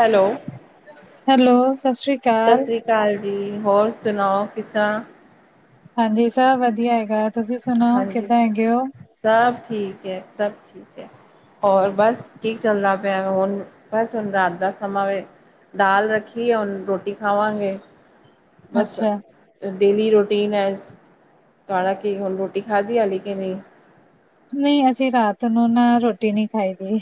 Hello hello, ਸਤਿ ਸ੍ਰੀ ਅਕਾਲ। ਸਤਿ ਸ੍ਰੀ, ਅਕਾਲ ਜੀ ਹੋਰ ਸੁਣਾਓ ਕਿਸ ਤਰ੍ਹਾਂ? ਹਾਂਜੀ ਸਭ ਵਧੀਆ ਹੈਗਾ। ਤੁਸੀਂ ਸੁਣਾਓ ਹਾਂਜੀ ਕਿੱਦਾਂ ਹੈਗੇ ਹੋ? ਸਭ ਠੀਕ ਐ ਸਭ ਠੀਕ ਐ। ਔਰ ਬਸ ਠੀਕ ਚੱਲਦਾ ਪਿਆ ਹੁਣ ਬਸ ਹੁਣ ਰਾਤ ਦਾ ਸਮਾਂ ਵੇ ਦਾਲ ਰੱਖੀ ਆ ਹੁਣ ਰੋਟੀ ਖਾਵਾਂਗੇ। ਬਸ ਅੱਛਾ, ਡੇਲੀ ਰੋਟੀਨ ਐ ਤੁਹਾਡਾ ਕਿ ਹੁਣ ਰੋਟੀ ਖਾਧੀ ਹਾਲੇ ਕੇ ਨਹੀਂ। ਨਹੀਂ, ਅਸੀਂ ਰਾਤ ਨੂੰ ਨਾ ਰੋਟੀ ਨਹੀਂ ਖਾਈ ਦੀ।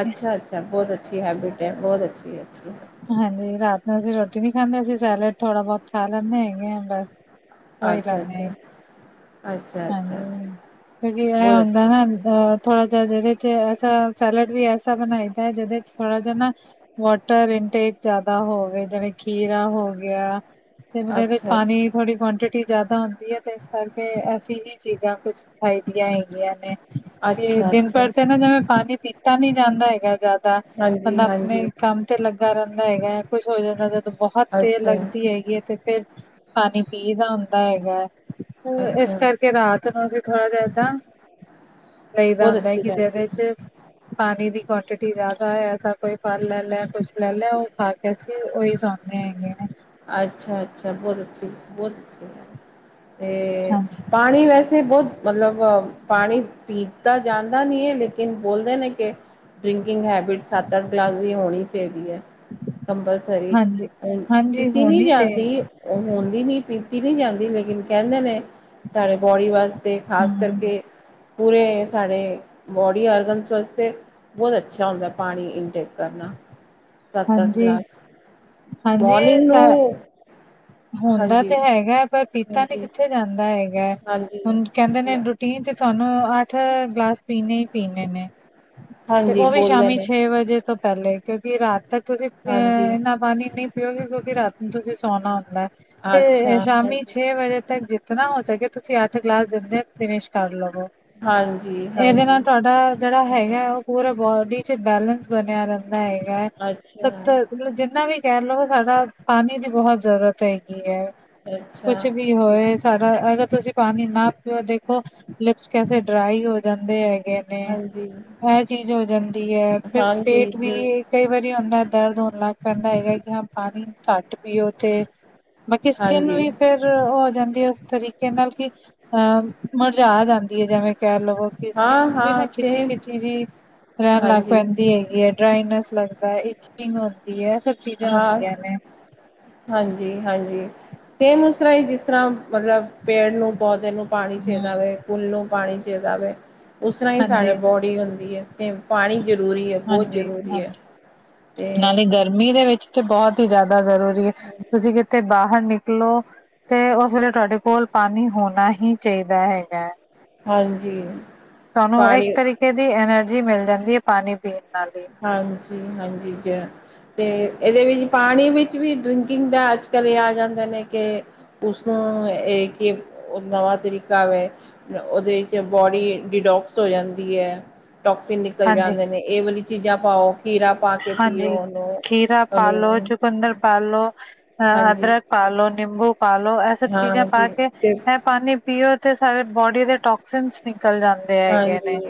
ਅੱਛਾ, ਅੱਛਾ ਬਹੁਤ ਅੱਛੀ ਹੈਬਿਟ ਐ ਬਹੁਤ ਅੱਛੀ, ਅੱਛੀ। ਹਾਂਜੀ, ਰਾਤ ਨੂੰ ਅਸੀਂ ਰੋਟੀ ਨੀ ਖਾਂਦੇ ਅਸੀਂ ਸੈਲੇਡ ਥੋੜ੍ਹਾ ਬਹੁਤ ਖਾ ਲੈਂਦੇ ਹੈਗੇ ਹਾਂ ਬਸ ਉਹੀ ਅੱਛਾ, ਲੈਂਦੇ ਆ, ਅੱਛਾ। ਅੱਛਾ ਹਾਂਜੀ, ਕਿਉਂਕਿ ਇਹ ਬਹੁਤ ਹੁੰਦਾ ਅੱਛੀ ਨਾ ਅ ਥੋੜ ਜਿਹਾ ਜਿਹਦੇ ਚ ਐਸਾ ਸੈਲਡ ਵੀ ਐਸਾ ਬਣਾਈ ਦਾ ਜਿਹਦੇ ਚ ਥੋੜਾ ਜ ਨਾ ਵਾਟਰ ਇਨਟੇਕ ਜਿਆਦਾ ਹੋਵੇ ਜਿਵੇਂ ਖੀਰਾ ਹੋ ਗਿਆ। ਤੇ ਮਤਲਬ ਇਹਦੇ ਵਿੱਚ ਅੱਛਾ ਪਾਣੀ ਅੱਛਾ ਥੋੜੀ ਕੁਆਂਟਿਟੀ ਜਿਆਦਾ ਹੁੰਦੀ ਐ ਤੇ ਇਸ ਕਰਕੇ ਅ ਵੀ ਚੀਜ਼ਾਂ ਕੁਛ ਖਾਈ ਦੀਆਂ ਹੈਗੀਆਂ ਨੇ ਵੀ ਅੱਛਾ ਦਿਨ ਅੱਛਾ ਭਰ ਤੇ ਨਾ ਜਿਵੇਂ ਪਾਣੀ ਪੀਤਾ ਨੀ ਜਾਂਦਾ ਹੈਗਾ ਜ਼ਿਆਦਾ। ਹਾਂਜੀ ਬੰਦਾ ਆਪਣੇ ਹਾਂਜੀ ਕੰਮ ਤੇ ਲੱਗਾ ਰਹਿੰਦਾ ਹੈਗਾ ਕੁੱਛ ਹੋ ਜਾਂਦਾ ਜਦੋਂ ਬਹੁਤ ਦੇਰ ਅੱਛਾ ਲੱਗਦੀ ਹੈਗੀ ਹੈ ਤੇ ਫਿਰ ਪਾਣੀ ਪੀ ਦਾ ਹੁੰਦਾ ਹੈਗਾ ਤੇ ਇਸ ਕਰਕੇ ਰਾਤ ਨੂੰ ਅਸੀਂ ਥੋੜ੍ਹਾ ਜਿਹਾ ਏਦਾਂ ਲਈਦਾ ਬਹੁਤ ਹੁੰਦਾ ਹੈ ਅੱਛੀ ਕਿ ਗੱਲ ਜਿਦੇ ਚ ਪਾਣੀ ਦੀ ਕੁਆਂਟਿਟੀ ਜ਼ਿਆਦਾ ਐ ਐਸਾ ਕੋਈ ਫਲ ਲੈ ਲੈ ਕੁਛ ਲੈ ਲੈ ਉਹ ਖਾ ਕੇ ਅਸੀਂ ਉਹੀ ਸੌ ਦੇ ਹੇਗੈ ਨੇ ਅੱਛਾ, ਅੱਛਾ ਬਹੁਤ ਅੱਛੀ ਬਹੁਤ ਅੱਛੀ ਤੇ ਹਾਂਜੀ ਪਾਣੀ ਨਹੀਂ, ਬਈ ਵੈਸੇ ਬਹੁਤ ਮਤਲਬ ਪਾਣੀ ਪੀ ਤਾ ਜਾਂਦਾ ਨੀ ਹੈ ਲੇਕਿਨ ਬੋਲਦੇ ਨੇ ਕਿ ਡਰਿੰਕਿੰਗ ਹੈਬਿਟ ਸੱਤ ਅੱਠ ਕਲਾਸ ਦੀ ਹੋਣੀ ਚਾਹੀਦੀ ਹੈ ਕੰਪਲਸਰੀ ਹਾਂਜੀ, ਹਾਂਜੀ ਪੀਤੀ ਨਹੀਂ ਹੋਣੀ ਚਾਹੀਏ ਜਾਂਦੀ ਹੁੰਦੀ ਨੀ ਪੀਤੀ ਨਹੀ ਜਾਂਦੀ ਕਹਿੰਦੇ ਨੇ ਸਾਰੇ ਬੋਡੀ ਵਾਸਤੇ ਤੇ ਖਾਸ ਹੂੰ, ਕਰਕੇ ਪੂਰੇ ਸਾਡੇ ਬੋਡੀ ਆਰਗਨਸ ਵਾਸਤੇ ਬਹੁਤ ਅੱਛਾ ਹੁੰਦਾ। ਪਾਣੀ ਇਨਟੇਕ ਕਰਨਾ, ਸੱਤ, ਅੱਠ ਹਾਂਜੀ। ਗਲਾਸ ਹਾਂਜੀ ਮੋਰਨਿੰਗ ਸ ਨੂੰ ਹੁੰਦਾ ਹਾਂਜੀ ਤੇ ਹੈਗਾ। ਪਰ ਪੀਤਾ ਤੇ, ਹਾਂਜੀ ਕਿੱਥੇ ਜਾਂਦਾ ਹੈਗਾ। ਹਾਂਜੀ ਹੁਣ ਕਹਿੰਦੇ ਨੇ ਦਿਨ ਚ, ਤੁਹਾਨੂੰ ਅੱਠ ਗਲਾਸ, ਪੀਣੇ ਹੀ ਪੀਣੇ ਨੇ। ਤੇ ਹਾਂਜੀ ਉਹ ਵੀ, ਬੋਲਦੇ ਸ਼ਾਮੀ ਨੇ ਛੇ ਵਜੇ ਤੋਂ। ਪਹਿਲੇ ਕਿਉਂਕਿ, ਰਾਤ ਤੱਕ ਤੁਸੀਂ, ਹਾਂਜੀ ਇੰਨਾ ਪਾਣੀ ਨਹੀਂ ਪੀਓਗੇ। ਕਿਉਂਕਿ ਰਾਤ ਨੂੰ, ਤੁਸੀਂ ਸੋਣਾ ਹੁੰਦਾ ਏ। ਅੱਛਾ ਤੇ ਸ਼ਾਮੀ ਹਾਂਜੀ ਛੇ ਵਜੇ ਤੱਕ ਜਿੱ ਜਿਤਨਾ ਹੋ ਸਕੇ ਤੁਸੀਂ ਅੱਠ ਗ਼ਲਾਸ ਦਿੰਦੇ ਫਿਨਿਸ਼ ਕਰ ਲਵੋ ਹਾਂਜੀ ਇਹਦੇ ਹਾਂਜੀ ਨਾਲ ਤੁਹਾਡਾ ਜਿਹੜਾ ਹੈਗਾ ਹਮ ਉਹ ਪੂਰਾ ਬੋਡੀ ਚ, ਬੈਲਨਸ ਬਣਿਆਾ, ਰਹਿਦਾ ਹੈਗਾ। ਅੱਛਾ ਸੱਤ, ਜਿੰਨਾ ਵੀ ਕਹਿ ਲਓ। ਸਾਡਾ ਪਾਣੀ ਦੀ, ਬਹੁਤ ਜ਼ਰੂਰਤ ਹੈਗੀ ਹੈ। ਅੱਛਾ ਕੁਛ, ਵੀ ਹੋਏ। ਸਾਡਾ, ਅਗਰ ਤੁਸੀਂ ਪਾਣੀ ਨਾ ਪਿਓ। ਦੇਖੋ, ਲਿਪਸ ਕੈਸੇ ਡਰਾਈ, ਹੋ ਜਾਂਦੇ ਹੈਗੇ ਐ। ਹਾਂਜੀ ਇਹ ਚੀਜ਼ ਹੋ ਜਾਂਦੀ ਹੈ। ਫੇਰ ਹਾਂਜੀ ਪੇਟ ਵੀ ਜ ਕਈ ਵਾਰੀ ਵੀ ਆਪਣਾ, ਦਰਦ ਹੋਣ ਲੱਗ ਪੈਂਦਾ ਹੈਗਾ। ਕਿ ਹਾਂ, ਪਾਣੀ ਘੱਟ ਪੀਓ ਤੇ। ਮੈਂ ਕਿਹਾ ਸਕਿੰਨ ਹਾਂਜੀ ਵੀ, ਫੇਰ ਹੋ ਜਾਂਦੀ ਹੈ। ਉਸ ਤਰੀਕੇ ਨਾਲ ਕਿ ਅਹ, ਮਰਝਾ ਜਾਂਦੀ ਹੈ। ਜਿਵੇਂ ਕਹਿ ਲੋ। ਹਾਂ ਸਕਿਨ ਵੀ ਨਾ, ਹਾਂ ਖਿੱਚੀ- ਸੇਮ ਖਿੱਚੀ, ਜਿਹੀ ਰਹਿਣ ਲਗ ਹਾਂਜੀ ਪੈਂਦੀ ਹੈਗੀ ਹੈ। ਡਰਾਈਨੈਸ, ਲੱਗਦਾ ਹੈ। ਇਚਿੰਗ ਹੁੰਦੀ ਹੈ। ਚੀਜ਼ਾਂ ਹਾਂ। ਹੁੰਦੀਆਂ ਨੇ ਹਾਂਜੀ-ਹਾਂਜੀ, ਸੇਮ ਉਸ ਤਰਾਂ ਹੀ, ਜਿਸ ਤਰਾਂ ਮਤਲਬ ਪੇੜ ਨੂੰ, ਪੌਦੇ ਨੂੰ ਪਾਣੀ ਚਾਹੀਦਾ ਹਮ ਵੇ, ਫੁੱਲ ਨੂੰ ਪਾਣੀ ਚਾਹੀਦਾ ਵੇ ਉਸਰਾ ਹੀ ਸਾਡੇ ਹਾਂਜੀ ਬੋਡ ਹੁੰਦੀ ਹੈ ਸੇਮ। ਪਾਣੀ ਜ਼ਰੂਰੀ ਹੈ, ਬਹੁਤ ਹਾਂਜੀ ਜ਼ਰੂਰੀ ਹੈ। ਹਾਂਜੀ ਤੇ ਨਾਲੇ ਗਰਮੀ ਦੇ ਵਿੱਚ, ਤੇ ਬਹੁਤ ਹੀ, ਜ਼ਿਆਦਾ ਜ਼ਰੂਰੀ ਹੈ। ਤੁਸੀਂ ਕਿ ਤੇ ਬਾਹਰ ਨਿਕਲੋ, ਤੇ ਉਸ ਵੇਲੇ, ਤੁਹਾਡੇ ਕੋਲ ਪਾਣੀ, ਹੋਣਾ ਹੀ ਚਾਹੀਦਾ ਹੈਗਾ। ਹਾਂਜੀ। ਤੁਹਾਨੂੰ ਇੱਕ, ਪਾਣੀ ਤਰੀਕੇ ਦੀ, ਐਨਰਜੀ ਮਿਲ ਜਾਂਦੀ ਏ। ਪਾਣੀ ਪੀਣ ਨਾਲ ਹੀ। ਹਾਂਜੀ-ਹਾਂਜੀ, ਗਿਆ। ਤੇ ਇਹਦੇ ਵਿੱਚ, ਪਾਣੀ ਵਿੱਚ ਵੀ, ਡਰਿੰਕਿੰਗ ਦਾ ਅੱਜ ਕੱਲ, ਇਹ ਆ ਜਾਂਦੇ ਨੇ ਕੇ ਉਸਨੂੰ ਇਹ, ਕਿ ਨਵਾ ਤਰੀਕਾ ਵੇ। ਤੇ ਉਹਦੇ ਚ, ਬੋਡੀ ਡਿਟੋਕਸ ਹੋ ਜਾਂਦੀ ਐ। ਟੋਕਸਿਨ ਨਿਕ ਨਿਕਲ ਹਾਂਜੀ ਜਾਂਦੇ ਨੇ। ਇਹ ਵਾਲੀ, ਚੀਜ਼ਾਂ ਪਾਓ। ਖੀਰਾ ਪਾ ਕੇ ਪੀਓ ਹਾਂਜੀ, ਉਹਨੂੰ ਖੀਰਾ ਪਾਾਲੋ, ਉਹਨੂੰ ਚੁਕੰਦਰ ਪਾ ਲੋ, ਅਹ ਹਾਂਜੀ ਅਦਰਕ ਪਾਾਲੋ। ਨਿੰਬੂ ਪਾਾਲੋ ਇਹ ਸਭ ਚੀਜ਼ਾਂ, ਪਾ ਹਾਂਜੀ ਕੇ ਤੇ ਇਹ ਪਾਣੀ ਪੀਓ ਤੇ, ਸਾਾਰੇ ਬੋਡੀ ਦੇ ਟੋਕਸਿਨਸ, ਨਿਕਲ ਜਾਂਦੇ ਹੈਗੇ ਹਾਂਜੀ ਨੇ।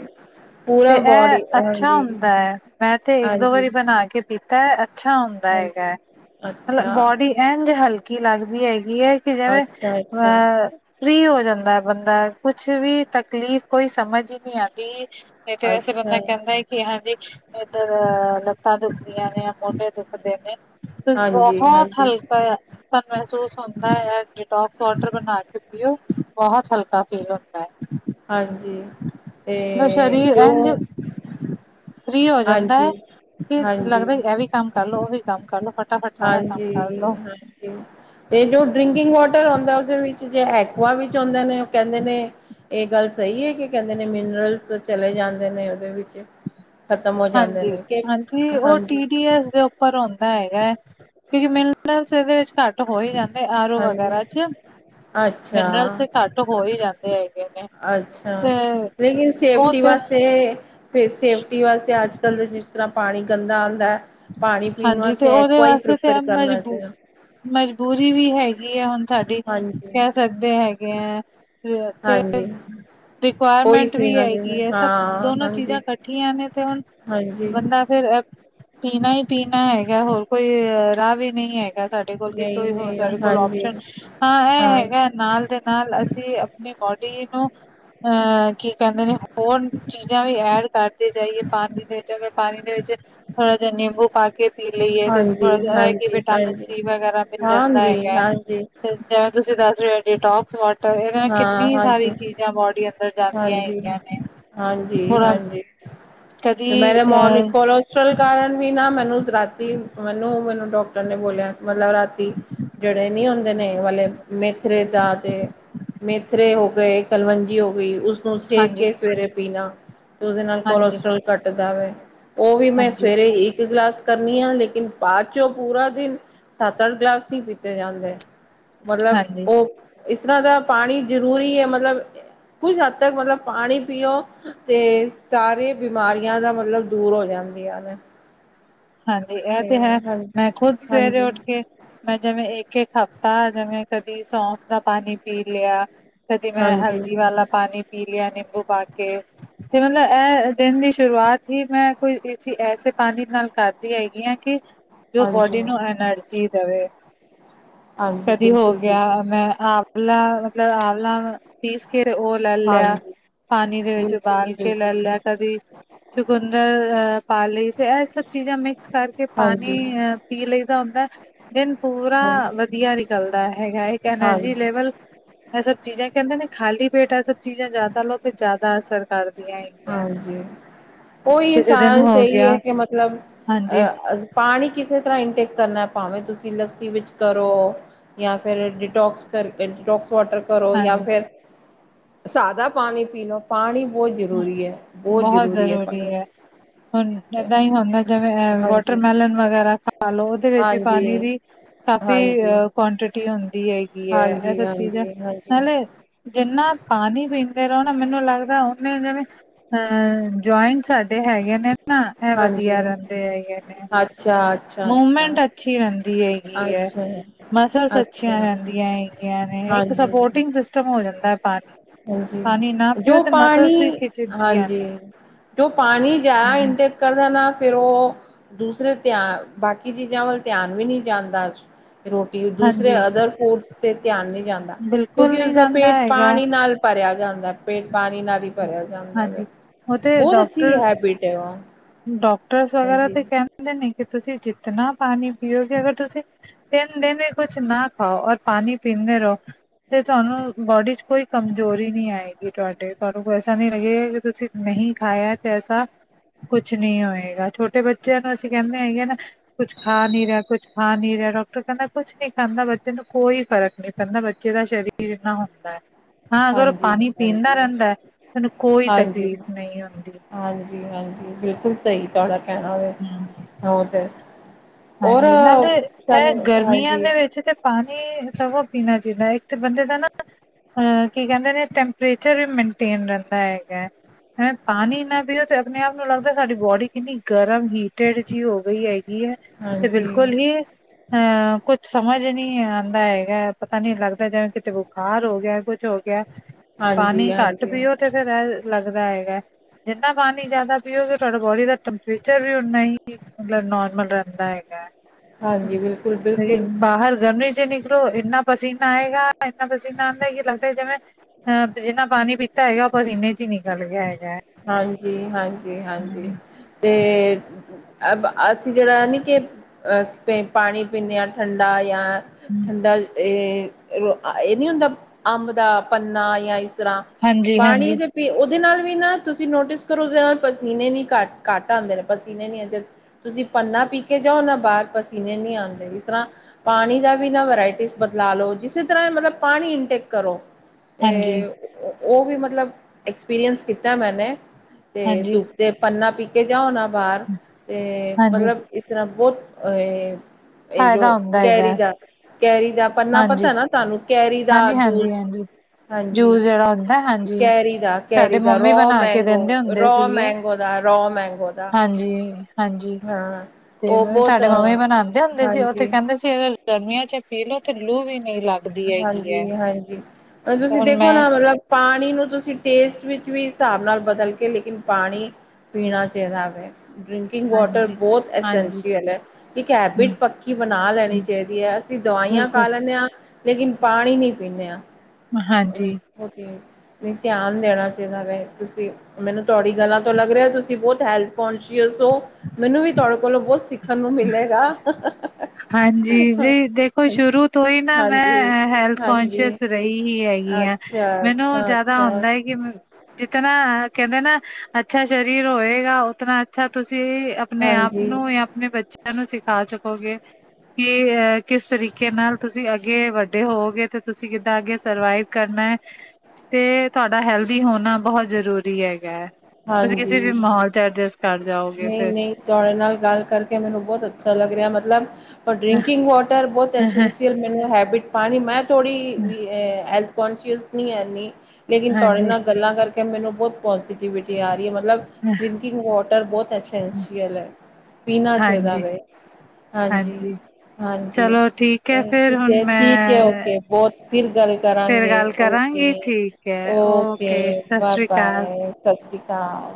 ਤੇ ਪੂਰਾ ਬੋਡੀ ਇਹ, ਅੱਛਾ ਹਾਂਜੀ ਹੁੰਦਾ ਏ। ਮੈਂ ਤੇ ਇਕ, ਦੋ ਹਾਂਜੀ ਵਾਰੀ ਬਣਾ ਕੇ ਪੀਤਾ ਹੈ। ਅੱਛਾ ਹੁੰਦਾ ਹੈਗਾ। ਹਾਂਜੀ ਇਹ ਮਤਲਬ ਅੱਛਾ ਬੋਡੀ ਇੰਝ ਹਲਕੀ, ਲੱਗਦੀ ਹੈਗੀ। ਹੈ ਕਿ ਜਿਵੇਂ ਅੱਛਾ ਅੱਛਾ ਅਹ ਫ੍ਰਰੀ ਹੋ ਜਾਂਦਾ ਬੰਦਾ। ਕੁਛ ਵੀ, ਤਕਲੀਫ਼ ਕੋਈ, ਸਮਝ ਹੀ ਨਹੀਂ ਆਂਦੀ। ਨਹੀਂ ਤੇ, ਵੈਸੇ ਬੰਦਾ ਅੱਛਾ ਕਹਿੰਦਾ, ਹੈ ਕਿ ਹਾਂਜੀ, ਇੱਧਰ ਅ ਲੱਤਾਂ ਦੁਖਦੀਆਂ ਨੇ, ਮੋਢੇ ਦੁਖ ਦੇ, ਨੇ ਤੇ ਹਾਂਜੀ, ਬਹੁਤ, ਹਾਂਜੀ, ਹਲਕਾ ਆ। ਸਾਨੂੰ ਮਹਿਸੂਸ ਹੁੰਦਾ ਹੈ। ਡਿਟੋਕਸ ਵਾਟਰ ਬਣਾ ਕੇ ਪੀਓ। ਬਹੁਤ ਹਲਕਾ ਤੲ ਫੀਲ ਹੁੰਦਾ ਏ। ਹਾਂਜੀ, ਤੇ ਸਰੀਰ ਜੋ ਇੰਝ ਫ੍ਰਰੀ ਹੋ ਜਾਂਦਾ ਹੈ। ਹਾਂਜੀ, ਫੇਰ ਹਾਂਜੀ, ਲੱਗਦਾ ਇਹ ਵੀ, ਕੰਮ ਕਰਲੋ, ਉਹ ਵੀ ਕੰਮ ਕਰ ਲੋ। ਫ ਫਟਾਫਟ, ਸਾਰਾ ਕੰਮ ਕਰ ਹਾਂਜੀ, ਲੋ। ਹਾਂਜੀ ਤੇ ਜੋ ਡਰਿੰਕਿੰਗ, ਵਾਟਰ ਹੂੰਦਾ, ਉਹਦੇ ਵਿੱਚ ਜੇ ਐਕੁਆ ਵਿੱਚ, ਆਉਂਦੇ ਨੇ ਉਹ ਕਹਿੰਦੇ ਨੇ। ਇਹ ਗੱਲ ਸਹੀ ਹੈਗੀ। ਕਿ ਕਹਿੰਦੇ ਨੇ, ਮਿਨਰਲਸ ਚਲੇ ਜਾਂਦੇ ਨੇ, ਉਹਦੇ ਵਿੱਚ ਖਤਮ ਹੋ ਜਾਂਦੇ ਹਾਂਜੀ, ਨੇ ਕਿ ਹਾਂਜੀ। ਉਹ ਹਾਂਜੀ, ਟੀ ਡੀ ਐਸ, ਦੇ ਉਪ ਪਰ ਹੁੰਦਾ ਹੈਗਾ। ਕਿਉਂਕਿ ਮਿਨਰਲਸ, ਇਹਦੇ ਵਿੱਚ ਘੱਟ ਹੋ ਹੀ, ਜਾਂਦੇ। ਆਰ ਓ, ਹਾਂਜੀ ਵਗੈਰਾ ਚ ਅੱਛਾ ਮਿਨਰਲਸ ਘੱਟ ਹੋ ਹੀ ਜਾਂਦੇ ਹੈਗੇ ਨੇ, ਅੱਛਾ ਤੇ ਲੇਕਿਨ ਉਹ ਸੇਫਟੀ ਤੇ ਵਾਸਤੇ ਫਿਰ ਸੇਫਟੀ ਵਾਸਤੇ ਅੱਜ ਕੱਲ੍ਹ ਦਾ ਜਿਸ ਤਰ੍ਹਾਂ ਪਾਣੀ ਗੰਦਾ ਆਉਦੈ ਐ ਪਾਣੀ ਪੀਣ ਹਾਂਜੀ ਤੇ ਵਾਸਤੇ ਉਹਦੇ ੲਕਵਾ ਹੀ ਵਾਸਤੇ ਪ੍ਰੈਫਰ ਤੇ ਕਰਨਾ ਮਜਬੂਰ ਚਾਹੀਦਾ। ਮਜਬੂਰੀ ਵੀ ਹੈਗੀ ਹੈ ਹੁਣ ਸਾਡੀ, ਹਾਂਜੀ ਕਹਿ ਸਕਦੇ ਹੈਗੇ ਹੈ, ਤੇ ਹਾਂਜੀ ਉਹੀ ਰਿਕੁਆਇਰਮੈਂਟ ਵੀ ਪੀਣਾ ਚਾਹੀਦਾ ਹੈਗੀ ਐ। ਸਭ ਹਾਂ ਦੋਨੋ ਚੀਜ਼ਾਂ, ਹਾਂਜੀ ਇਕੱਠੀਆਂ ਨੇ ਤੇ, ਹੁਣ। ਹਾਂਜੀ ਬੰਦਾ ਫੇਰ ਪੀਣਾ ਹੀ ਪੀਣਾ ਹੈਗਾ। ਹੋਰ ਕੋਈ, ਰਾਹ ਵੀ ਨਹੀਂ ਹੈਗ ਸਾਡੇ ਕੋਲ ਕੀ ਕੋਈ ਨਹੀਂ ਹੋਰ ਨਹੀਂ ਸਾਡੇ ਕੋਲ ਹਾਂਜੀ ਓਪਸ਼ਨ, ਹਾਂ ਇਹ ਹੈਗੈ ਨਾਲ ਦੇ ਨਾਲ ਅਸੀਂ ਆਪਣੀ ਬੋਡੀ ਨੂੰ, ਅਹ ਕੀ ਕਹਿੰਦੇ ਨੇ ਹੋਰ ਚੀਜ਼ਾਂ ਵੀ ਐਡ ਕਰਦੇ ਜਾਈਏ ਪਾਣੀ ਦੇ ਵਿੱਚ ਅਗਰ ਪਾਣੀ ਦੇ ਵਿੱਚ ਥੋੜ੍ਹਾ ਜਿਹਾ ਨਿੰਬੂ ਪਾ ਕੇ ਪੀ ਲਈਏ ਤੇ ਥੋੜ੍ਹਾ ਹਾਂਜੀ ਜਿਹਾ ਇਹ ਕਿ ਹਾਂਜੀ ਵਿਟਾਮਿਨ ਹਾਂਜੀ ਸੀ ਵਗੈਰਾ ਮਿਲ ਜਾਂਦਾ ਹਾਂਜੀ ਹੈਗਾ। ਹਾਂਜੀ ਜਿਵੇਂ ਤੁਸੀਂ ਦੱਸ ਰਹੇ ਹੋ ਡਿਟੋਕਸ ਵਾਟ ਇਹਦੇ ਨਾਲ ਹਾਂ ਕਿੰਨੀ ਸਾਰੀ ਹਾਂਜੀ ਚੀਜ਼ਾਂ ਬੋਡੀ ਅੰਦਰ ਜਾਂਦੀਆਂ ਹਾਂਜੀ ਹੈਗੀਆਂ ਨੇ। ਹਾਂਜੀ ਥੋਰਾ ਹਾਂਜੀ ਤੇ ਮੇਰੇ ਮੋਨ ਕੋੋਲੋਂਸ ਸ਼ਲ ਕਾਰਨ ਵੀ ਨਾ ਮੈਨੂੰ ਰਾਤੀ ਮੈਨੂੰ, ਮੈਨੂੰ ਡਾਕਟਰ ਨੇ ਬੋਲਿਆ। ਮਤਲਬ ਰਾਤੀ ਜਿਹੜੇ ਨਹੀਂ ਹੁੰਦੇ ਨੇ ਵਾਲੇ ਮੇਥਰੇ ਦਾ ਦੇ ਮੇਥਰੇ ਹੋ ਗਏ, ਕਲਵੰਜੀ ਹੋ ਗਈ ਉਸ ਉਹਨੂੰ ਸੇਕ ਹਾਂਜੀ ਕੇ ਸਵੇਰੇ ਪੀਣਾ ਤੇ ਉਹਦੇ ਨਾਲ ਹਾਂਜੀ ਕੋਲੇਸਟਰ੍ਰੋਲ ਘੱਟਦਾ ਵੇ। ਉਹ ਵੀ ਮੈਂ ਹਾਂਜੀ ਸਵੇਰੇ ਇੱਕ ਗਲਾਸ ਕਰਨੀ ਆ ਲੇਕਿਨ ਬਾਅਦ ਚੋਂ ਪੂਰਾ ਦਿਨ ਸੱਤ- ਅੱਠ ਗਲਾਸ ਨਹੀਂ ਪੀਤੇ ਜਾਂਦੇ ਮਤਲਬ ਹਾਂਜੀ, ਉਹ ਇਸ ਤਰ੍ਹਾਂ ਦਾ ਪਾਣੀ ਜ਼ਰੂਰੀ ਹੈ ਮਤਲਬ ਕੁਛ ਹੱਦ ਤੱਕ ਮਤਲਬ ਪਾਣੀ ਪੀਓ ਤੇ ਸਾਰੇ ਬਿਮਾਰੀਆਂ ਦਾ ਮਤਲਬ ਦੂਰ ਹੋ ਜਾਂਦੀਆਂ ਹਨ ਹਾਂਜੀ, ਇਹ ਤੇ ਹੈ ਮੈਂ ਖੁੱਦ ਸਵੇਰੇ ਹਾਂਜੀ ਉੱਠ ਕੇ ਮੈਂ ਜਿਵੇਂ ਇੱਕ- ਇੱਕ ਹਫਤਾ ਜਿਵੇਂ ਕਦੀ ਸੌਂਫ ਦਾ ਪਾਣੀ ਪੀ ਲਿਆ ਕਦੀ ਮੈਂ ਹਾਂਜੀ ਹਲਦੀ ਵਾਲਾ ਪਾਣੀ ਪੀ ਲਿਆ ਨਿੰਬੂ ਪਾ ਕੇ ਤੇ ਮਤਲਬ ਇਹ ਦਿਨ ਦੀ ਸ਼ੁਰੂਆਤ ਹੀ ਮੈਂ ਕੋਈ ਇਸ ਐਸੇ ਪਾਣੀ ਨਾਲ ਕਰਦੀ ਹੈਗੀ ਆ ਕਿ ਜੋ ਹਾਂਜੀ ਬੋਡੀ ਨੂੰ ਐਨਰਜੀ ਦੇਵੇ ਹਾਂਜੀ ਕਦੀ ਹੋ ਬਿਲਕੁਲ ਗਿਆ ਬਿਲਕੁਲ ਮੈਂ ਆਂਵਲਾ ਮਤਲਬ ਆਂਵਲਾ ਪੀਸ ਕੇ ਉਹ ਲੈ ਲਿਆ, ਹਾਂਜੀ ਪਾਣੀ ਦੇ ਵਿੱਚ ਬਿਲਕੁਲ ਉਬਾਲ ਕੇ ਲੈ ਬਿਲਕੁਲ ਲਿਆ ਕਦੀ ਚੁਕੰਦਰ ਅਹ ਪਾਲੀ ਇਹ ਸ ਜਾਂ ਮਿਕਸ ਕਰਕੇ ਪਾਣੀ ਹਾਂਜੀ ਅ ਪੀ ਲਈਦਾ ਹੁੰਦਾ ਦਿਨ ਪੂਰਾ ਹਾਂਜੀ ਵਧੀਆ ਨਿਕਲਦਾ ਹੈਗਾ ਇੱਕ ਐਨਰਜੀ ਹਾਂਜੀ ਲੈਵਲ ਇਹ ਸਭ ਚੀਜ਼ਾਂ ਕਹਿੰਦੇ ਨੇ ਖਾਲੀ ਪੇਟ ਇਹ ਸਭ ਚੀਜ਼ਾਂ ਜ਼ਿਆਦਾਤਰ ਲਓ ਤੇ ਜ਼ਿਆਦਾ ਅਸਰ ਕਰਦੀਆਂ ਹੈਗੀਆਂ ਨੇ ਹਾਂਜੀ, ਉਹੀ ਕਿਸੇ ਦਿਨ ਸਾਰਾ ਹੋ ਸਹੀ ਹੈ ਗਿਆ ਕਿ ਮਤਲਬ ਹਾਂਜੀ ਅਹ ਅ ਪਾਣੀ ਕਿਸੇ ਤਰ੍ਹਾਂ ਇਨਟੇਕ ਕਰਨਾ ਭਾਵੇ ਤੁਸੀਂ ਲੱਸੀ ਵਿੱਚ ਕਰੋ ਜਾਂ ਫਿਰ ਡਿਟੋਕਸ ਕਰਕੇ ਡਿਟੋਕਸ ਵਾਟਰ ਕਰੋ ਜਾਂ ਹਾਂਜੀ ਫਿਰ, ਸਾਦਾ ਪਾਣੀ ਪੀ ਲੋ ਪਾਣੀ ਬਹੁਤ ਜ਼ਰੂਰੀ ਹੈ, ਬਹੁਤ ਜ਼ਰੂਰੀ ਹੈ ਪ ਹੁਣ ਏਦਾਂ ਹੀ ਹੁੰਦਾ ਜਿਵੇਂ ਹਾਂਜੀ ਵਾਟਰਮੈਲਨ ਵਗੈਰਾ ਖਾ ਲਓ ਉਹਦੇ ਵਿੱਚ ਵੀ ਹਾਂਜੀ ਪਾਣੀ ਦੀ ਕਾਫ਼ੀ ਹਾਂਜੀ ਅਹ ਕੁਆਂਟਿਟੀ ਹੁੰਦੀ ਹੈਗੀ ਹੈ ਇਹ ਹਾਂਜੀ ਸਭ ਚੀਜ਼ ਹਾਂਜੀ ਹਾਂਜੀ ਹੈੇ ਜਿੰਨਾ ਪਾਣੀ ਪੀਂਦੇ ਰਹੋ ਨਾ ਮੈਨੂੰ ਲੱਗਦਾ ਜਿਵੇਂ ਅਹ ਜੁਆਇੰਟ ਸਾਡੇ ਹੈਗੇ ਨੇ ਨਾ ਇਹ ਹਾਂਜੀ ਵਧੀਆ ਰਹਿੰਦੇ ਹੈਨੇ, ਅੱਛਾ ਅੱਛਾ ਅੱਛਾ ਮੂਮੈਂਟ ਅੱਛੀ ਆਉਂਦੀ ਹੈ ਅੱਛਾ ਜ ਮਸਲਸ ਅੱਛੀਆਂ ਰਹਿੰਦੀਆਂ ਹੈਗੀਆਂ ਨੇ, ਇੱਕ ਹਾਂਜੀ ਸਪੋਰਟਿੰਗ ਸਿਸਟਮ ਹੋ ਜਾਂਦਾ ਹੈ ਪਾਣੀ ਹਾਂਜੀ, ਪਾਣੀ ਨਾ ਪੀਓ ਜੋ ਤੇ ਮਸਲਸ ਵੀ ਪਾਣੀ ਖਿੱਚਦੀਆਂ ਹਾਂਜੀ ਨੇ ਜੋ ਪਾਣੀ ਜਿਆਦਾ ਇਨਟੇਕ ਦਾ ਨਾ ਫਿਰ ਉਹ ਦੂਸਰੇ ਧਿਆਨ ਬਾਕੀ ਚੀਜ਼ਾਂ ਵੱਲ ਧਿਆਨ ਵੀ ਨਹੀਂ ਜਾਂਦਾ ਰੋਟੀ ਦੂਸਰੇ ਹਾਂਜੀ ਅਦਰ ਫੂਡਸ ਤੇ ਧਿਆਨ ਨਹੀਂ ਜਾਂਦਾ ਬਿਲਕੁਲ ਕਿਉਂਕਿ ਨਹੀਂ ਉਸਦਾ ਜਾਂਦਾ ਪੇਟ ਹੈਗਾ, ਪਾਣੀ ਨਾਲ ਭਰਿਆ ਜਾਂਦਾ ਪੇਟ ਪਾਣੀ ਨਾਲ ਹੀ ਭਰਿਆ ਜਾਂਦਾ ਵ ਹਾਂਜੀ ਉਹ ਤੇ ਬਹੁਤ ਅੱਛੀ ਡਾਕਟਰ ਹੈਬਿਟ ਹੈ ਉਹ ਡਾਕਟਰਸ ਵਗੈਰਾ ਹਾਂਜੀ ਤੇ ਕਹਿੰਦੇ ਨੇ ਕਿ ਤੁਸੀਂ ਜਿਤਨਾ ਪਾਣੀ ਪੀਓਗੇ ਅਗਰ ਤੁਸੀਂ ਤਿੰਨ ਦਿਨ ਹੀ ਕੁਛ ਨਾ ਖਾਓ ਔਰ ਪਾਣੀ ਪੀਂਦੇ ਰਹੋ ਤੇ ਤੁਹਾਨੂੰ ਬੋਡੀ ਚ ਕੋਈ ਕਮਜ਼ੋਰੀ ਨੀ ਆਏਗੀ ਤੁਹਾਡੇ ਤੁਹਾਨੂੰ ਕੋਈ ਐਸਾ ਨੀ ਲੱਗੇਗਾ ਕਿ ਤੁਸੀਂ ਨਹੀਂ ਖਾਇਆ ਤੇੈਸਾ ਕੁਛ ਨੀ ਹੋਏਗਾ ਛੋਟੇ ਬੱਚਿਆਂ ਨੂੰ ਅਸੀਂ ਕਹਿੰਦੇ ਹੈਗੇ ਨਾ ਕੁੱਛ ਖਾ ਨਹੀਂ ਰਿਹਾ ਕੁੱਛ ਖਾ ਨੀ ਰਿਹਾ ਡਾਕਟਰ ਕਹਿੰਦਾ ਕੁਛ ਨੀ ਖਾਂਦਾ ਬੱਚੇ ਨੂੰ ਕੋਈ ਫਰਕ ਨਹੀਂ ਪੈਂਦਾ ਬੱਚਾ ਬੱਚੇ ਦਾ ਸਰੀਰ ਇੰਨਾ ਹੁੰਦਾ ਹੈ ਹਾਂ ਅਗਰ ਉਹ ਹਾਂਜੀ ਪਾਣੀ ਪੀਂਦਾ ਹਾਂਜੀ ਰਹਿੰਦਾ ਤੁਾਨੂੰ ਕੋਈ ਹਾਂਜੀ ਤਕਲੀਫ਼ ਨਹੀਂ ਆਦੀ ਹਾਂਜੀ ਹਾਂਜੀ ਬਿਲਕੁਲ ਸਹੀ ਤੁਹਾਡਾ ਕਹਿਣਾ ਹੋਵੇ ਹਮ ਉਹ ਤੇ ਔਰ ਹਾਂਜੀ ਨਾਲੇ ਇਹ ਸਾਨੂੰ ਗਰਮੀਆਂ ਹਾਂਜੀ ਦੇ ਵਿੱਚ ਤੇ ਪਾਣੀ ਸਗੋਂ ਪੀਣਾ ਚਾਹੀਦਾ ਇੱਕ ਬੰਦੇ ਦਾ ਨਾ ਅਹ ਕੀ ਕਹਿੰਦੇ ਨੇ ਟੈਂਪਰੇਚਰ ਵੀ ਮੇਨਟੇਨ ਰਹਿੰਦਾ ਹੈਗਾ ਹੈਂ ਪਾਣੀ ਨਾ ਪੀਓ ਤੇ ਆਪਣੇ ਆਪ ਨੂੰ ਲੱਗਦਾ ਸਾਡੀ ਬੋਡੀ ਕਿੰਨੀ ਗਰਮ ਹੀਟਡ ਜਿਹੀ ਹੋ ਗਈ ਹੈਗੀ ਹੈ ਤੇ ਹਾਂਜੀ, ਬਿਲਕੁਲ ਹੀ ਅ ਕੁਛ ਸਮਝ ਨਹੀਂ ਆਉਂਦਾ ਹੈਗਾ ਪਤਾ ਨੀ ਲੱਗਦਾ ਜਿਵੇਂ ਕਿਤੇ ਬੁਖਾਰ ਹੋ ਗਿਆ ਕੁਛ ਹੋ ਗਿ ਹਾਂਜੀ, ਪਾਣੀ ਘੱਟ ਹਾਂਜੀ, ਪੀਓ ਤੇ ਫਿਰ ਇਹ ਲੱਗਦਾ ਹੈਗਾ ਜਿੰਨਾ ਪਾਨੀ ਜ਼ਿਆਦਾ ਪੀਓਗੇ ਤੁਹਾਡਾ ਬੋਡੀ ਦਾ ਟੈਂਪਰੇਚਰ ਵੀ ਉਨਾ ਹੀ। ਮਤਲਬ ਨੋਰਮਲ ਰਹਿੰਦਾ ਹੈਗਾ ਹਾਂਜੀ, ਬਿਲਕੁਲ, ਬਿਲਕੁਲ। ਬਾਹਰ ਗਰਮੀ ਚ ਨੀ ਇੰਨਾ ਪਸੀਨਾ ਆਏਗਾ ਇੰਨਾ ਪਸੀਨਾ ਆਂਦਾ ਕਿ ਲਗਦਾ ਜਿਵੇਂ ਹ ਜਿੰਨਾ ਪਾਨੀ ਪੀਤਾ ਹੈਗਾ ਉਹ ਪਸੀਨੇ ਚ ਈ ਨਿਕਲ ਗਿਆ ਹੈਗਾ ਹਾਂਜੀ ਹਾਂਜੀ ਹਾਂਜੀ ਤੇ ਅ ਅਸੀਂ ਜਿਹੜਾ ਨੀ ਕੇ ਅ ਪਾਣੀ ਪੀਂਨੇ ਆ ਠੰਡਾ ਯਾ ਹੁ ਹੁੰਦਾ ਇਹ ਨਹੀਂ ਹੁੰਦਾ ਅੰਬ ਦਾ ਪੰਨਾ ਜਾਂ ਇਸ ਤਰ੍ਹਾਂ। ਹਾਂਜੀ, ਪਾਣੀ ਹਾਂਜੀ, ਤੇ ਪੀ ਉਹਦੇ ਨਾਲ ਵੀ ਨਾ। ਤੁਸੀਂ ਨੋਟਿਸ ਕਰੋ ਉਹਦੇ ਨਾਲ ਪਸੀਨੇ ਨੀ ਘੱਟ ਘੱਟ ਆਂਦੇ ਨੇ ਪਸੀਨੇ ਨਹੀਂ ਆਂਦੇ। ਤੁਸੀਂ ਪੰਨਾ ਪੀ ਕੇ ਜਾਓ ਨਾ ਬਾਹਰ ਪਸੀਨੇ ਨਹੀਂ ਆਂਦੇ ਇਸ ਤਰ੍ਹਾਂ ਪਾਣੀ ਦਾ ਵੀ ਨਾ ਵਰਾਇਟੀ ਚ ਬਦਲਾ ਲੋ ਕਿਸੇ ਤਰ੍ਹਾਂ ਮਤਲਬ ਪਾਣੀ ਇਨਟੇਕ ਕਰੋ। ਹਾਂਜੀ, ਤੇ ਉਹ ਵੀ ਮਤਲਬ ਐਕਸਪੀਰੀਅੰਸ ਕੀਤਾ ਮੈਨੇ ਤੇ ਹਾਂਜੀ, ਤੂੰ ਤੇ ਪੰਨਾ ਪੀ ਕੇ ਜਾਓ ਨਾ ਬਾਹਰ ਤੇ ਹਾਂਜੀ ਮਤਲਬ। ਇਸ ਤਰ੍ਹਾਂ ਬਹੁਤ ਅ ਇਹ ਜੋ ਫਾਇਦਾ ਹੁੰਦਾ ਹੈਗਾ ਕੈਰੀ ਦਾ ਕੈਰੀ ਦਾ ਪੰਨਾ ਹਾਂਜੀ, ਪਤਾ ਨਾ ਤੁਹਾਨੂੰ ਕੈਰੀ ਦਾ ਹਾਂਜੀ, ਹਾਂਜੀ, ਜੂਸ। ਹਾਂਜੀ ਹਾਂਜੀ, ਜੂਸ ਜਿਹੜਾ ਹੁੰਦਾ ਹਾਂਜੀ। ਕੈਰੀ ਦਾ ਕੈਰੀ। ਸਾਡੇ ਮੰਮੀ ਰੋ ਬਣਾ ਕੇ ਮੈਂਗੋ ਦਿੰਦੇ ਹੁੰਦੇ ਰੋ ਸੀਗੇ ਮੈਂਗੋ ਦਾ ਰੋ ਮੈਂਗੋ ਦਾ ਹਾਂਜੀ, ਹਾਂਜੀ। ਹਾਂ। ਤੇ ਉਹ ਬਹੁਤ ਜਿਆਦਾ ਹਾਂਜੀ ਤੁਸੀਂ ਇਹ ਗਰਮੀਆਂ ਚ ਇਹ ਪੀ ਲਓ ਤੇ ਲੂ ਵੀ ਨਹੀਂ ਲੱਗ। ਹਾਂਜੀ ਹਾਂਜੀ ਅ ਤੇ ਤੁਸੀਂ ਹੁਣ ਦੇਖੋ ਮੈਂ ਨਾ ਮਤਲਬ ਪਾਣੀ ਨੂੰ ਤੁਸੀਂ ਟੇਸਟ ਵਿੱਚ ਵੀ ਹਿਸਾਬ ਨਾਲ ਬਦਲ ਕੇ ਲੇਕਿਨ ਪਾਣੀ ਪੀਣਾ ਚਾਹੀਦਾ ਵੇ ਡਰਿਕਿੰਗ ਵਾਟਰ ਹਾਂਜੀ, ਬਹੁਤ ਹਾਂਜੀ। ਅਸੈਸ਼ੀਅਲ ਹੈ ਇੱਕ ਹੈਬਿਟ ਪੱਕੀ ਬਨਾ ਲੈਣੀ ਬਿਲਕੁਲ, ਚਾਹੀਦੀ ਹੈ ਅਸੀਂ ਦਵਾਈਆਂ ਖਾ ਲੈਂਨੇ ਆਂ ਲੇਕਿਨ ਪਾਣੀ ਨਹੀਂ ਪੀਂਨੇ ਆ ਹਾਂਜੀ ਓਕੇ ਨਹੀਂ ਧਿਆਨ ਦੇਣਾ ਚਾਹੀਦਾ ਵੇ ਤੁਸੀਂ ਮੈਨੂੰ ਤੁਹਾਡੀ ਗੱਲਾਂ ਤੋਂ ਲੱਗ ਰਿਹਾ ਤੁਸੀਂ ਬਹੁਤ ਹੈਲਥ ਕੋਂਸ਼ੀਅਸ ਸੋ ਮੈਨੂੰ ਵੀ ਤੁਹਾਡੇ ਕੋਲੋਂ ਬਹੁਤ ਸਿੱਖਣ ਨੂੰ ਮਿਲੇਗਾ। ਹਾਂਜੀ ਵੀ ਦੇਖੋ ਸ਼ੁਰੂ ਤੋਂ ਹੀ ਨਾ ਹਾਂਜੀ ਮੈਂ ਹੈਲਥ ਹਾਂਜੀ ਕੋਂਸ਼ੀਅਸ ਰਹੀ ਹੀ ਹੈ। ਗਿਆ ਅੱਛਾ, ਮੈਨੂੰ ਅੱਛਾ, ਜਿਆਦਾ ਅੱਛਾ ਹੁੰਦਾ ਕਿ ਜਿਤਨਾ ਕਹਿੰਦੇ ਨਾ ਅੱਛਾ ਸ਼ਰੀਰ ਹੋਏਗਾ ਉਤਨਾ ਅੱਛਾ ਤੁਸੀਂ ਅਪਨੇ ਆਪ ਹਾਂਜੀ, ਨੂੰ ਜਾਂ ਅਪਨੇ ਬੱਚਿਆਂ ਨੂੰ ਸਿਖਾ ਸਕੋਗੇ ਕਿ ਇਹ ਕਿਸ ਤਰੀਕੇ ਨਾਲ ਤੁਸੀਂ ਅੱਗੇ ਵੱਡੇ ਹੋਵਗੇ ਤੇ ਤੁਸੀਂ ਕਿੱਦਾਂ ਅੱਗੇ ਸਰਵਾਈਵ ਕਰਨਾ ਤੇ ਤੁਹਾਡਾ ਹੈਲਦੀ ਹੋਨਾ ਬਹੁਤ ਜ਼ਰੂਰੀ ਹੈਗਾ। ਤੁਸੀਂ ਕਿਸੇ ਵੀ ਹਾਂਜੀ। ਮਾਹੌਲ ਚ ਐਡਜਸਟ ਕਰ ਜਾਓਗੇ ਨਹੀਂ, ਫੇਰ। ਨਹੀਂ ਤੁਹਾਡੇ ਨਾਲ ਗੱਲ ਕਰਕੇ ਮੈਨੂੰ ਬਹੁਤ ਅੱਛਾ ਲੱਗ ਰਿਹਾ ਮਤਲਬ ਪਰ ਡਰਿੰਕਿੰਗ ਵਾਟਰ ਬਹੁਤ ਐਸੈਂਸੀਅਲ ਮੈਨੂੰ ਹੈਬਿਟ ਪਾਣੀ ਮੈਂ ਥੋੜੀ ਵੀ ਐ ਹੈਲਥ ਕੋਸ਼ਅਸ ਨਹੀਂ ਹੈਨੀ ਲੇਕਿਨ ਤੁਹਾਡੇ ਹਾਂਜੀ, ਨਾਲ ਗੱਲਾਂ ਕਰਕੇ ਮੈਨੂੰ ਬਹੁਤ ਪੋਜ਼ੀਟੀਵਿਟੀ ਆ ਰਹੀ ਹੈ। ਮਤਲਬ ਹ ਡਰਿਕਿੰਗ ਵਾਟਰ ਬਹੁਤ ਅਸੈਂਸੀਅਲ ਹੈ ਪੀਨਾ ਚਾਹੀਦਾ ਹਾਂਜੀ, ਵੇ ਹਾਂਜੀ ਹਾਂਜੀ ਚਲੋ ਠੀਕ ਹੈ ਫੇਰ ਠੀਕ ਹੁਣ ਹੈ ਠੀਕ ਹੈ ਮੈਂ ਓਕੇ ਬਹੁਤ ਫਿਰ ਗੱਲ ਫੇਰ ਕਰਾਂਗੇ ਗੱਲ ਕਰਾਂਗੀ ਓਕੇ ਠੀਕ ਹੈ ਓਕੇ ਸਤਿ ਬਾ ਸ੍ਰੀ ਅਕਾਲ। ਬਾਏ ਸਤਿ ਸ੍ਰੀ ਅਕਾਲ।